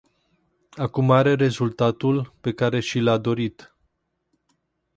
Acum are rezultatul pe care și l-a dorit.